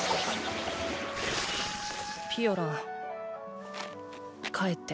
ピオラン帰って。